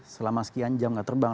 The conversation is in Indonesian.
selama sekian jam tidak terbang